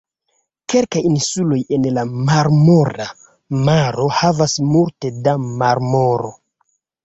Kelkaj insuloj en la Marmora Maro havas multe da marmoro.